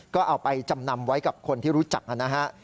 ก็เอาไปจำนำไว้กับคนที่รู้จักนะฮะ